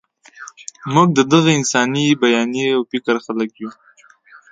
موږ د دغه انساني بیانیې او فکر خلک یو.